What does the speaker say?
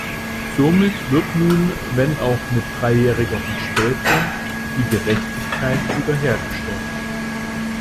Somit wird nun wenn auch mit dreijähriger Verspätung die Gerechtigkeit wiederhergestellt.